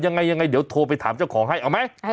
ยังไงยังไงเดี๋ยวโทรไปถามเจ้าของให้เอาไหม